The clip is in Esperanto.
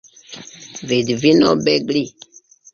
Vidvino Begli?